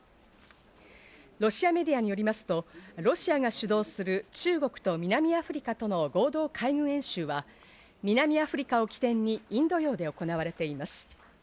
ロシアメディアによりますと、ロシアが主導する中国と南アフリカとの合同海軍演習は南アフリカを起点にインド洋で行われています。